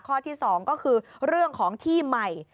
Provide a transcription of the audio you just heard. ข้อที่๒ก็คือเรื่องของที่ใหม่